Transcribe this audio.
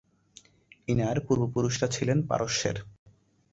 Inner পূর্ব পুরুষরা ছিলেন পারস্যের।